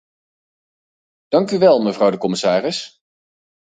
Dank u wel, mevrouw de commissaris.